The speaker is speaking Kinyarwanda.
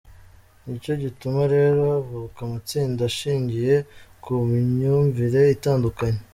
Ni cyo gituma rero havuka amatsinda ashingiye ku myumvire itandukanye.